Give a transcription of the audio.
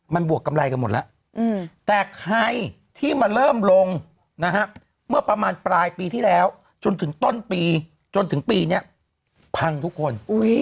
มันบวกกำไรกันหมดแล้วแต่ใครที่มาเริ่มลงนะฮะเมื่อประมาณปลายปีที่แล้วจนถึงต้นปีจนถึงปีนี้พังทุกคน